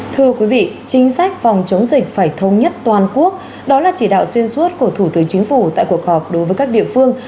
thưa quý vị chính sách phòng chống dịch phải thông nhất toàn quốc đó là chỉ đạo xuyên suốt của thủ tướng chính phủ tại cuộc họp đối với các địa phương